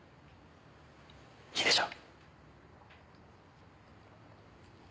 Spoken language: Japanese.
いいでしょう？